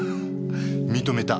認めた。